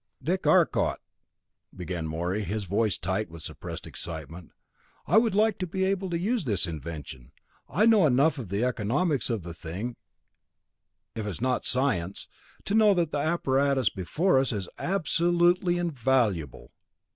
"Dick Arcot," began Morey, his voice tight with suppressed excitement, "I would like to be able to use this invention. I know enough of the economics of the thing, if not its science, to know that the apparatus before us is absolutely invaluable.